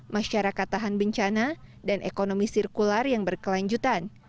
masyarakat tahan bencana dan ekonomi sirkular yang berkelanjutan